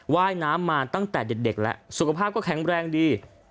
ว่ายน้ำมาตั้งแต่เด็กแล้วสุขภาพก็แข็งแรงดี